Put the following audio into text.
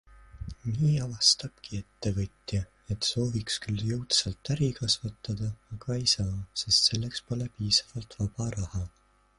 Nii avastabki ettevõtja, et sooviks küll jõudsalt äri kasvatada, aga ei saa, sest selleks pole piisavalt vaba raha.